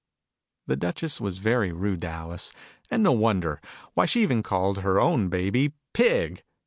3 1 The Duchess was very rude to Alice. And no wonder. Why, she even called her own Baby "Pig!"